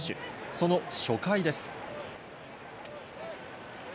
その初回です。